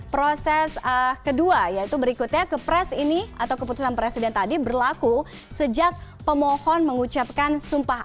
proses kedua yaitu berikutnya kepres ini atau keputusan presiden tadi berlaku sejak pemohon mengucapkan sumpah